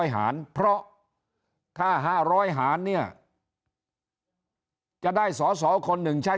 หารเพราะถ้า๕๐๐หารเนี่ยจะได้สอสอคนหนึ่งใช้